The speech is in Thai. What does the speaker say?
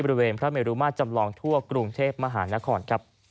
บริเวณพระเมรุมาตรจำลองทั่วกรุงเทพมหานคร